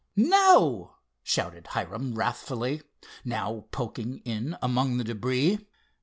"No!" shouted Hiram wrathfully, now poking in among the debris.